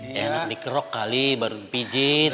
enak dikerok kali baru dipijit